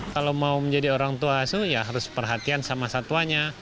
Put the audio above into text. kalau mau menjadi orang tua asuh ya harus perhatian sama satwanya